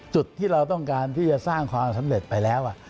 จุดที่เราต้องการที่จะสร้างความสำเร็จไปแล้ว